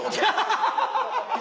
ハハハハ！